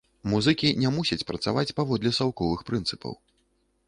Музыкі не мусяць працаваць паводле саўковых прынцыпаў.